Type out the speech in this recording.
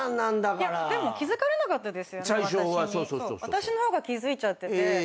私の方が気付いちゃってて。